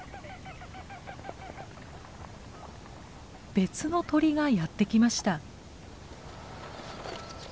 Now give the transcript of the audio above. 別の鳥がやって来ました。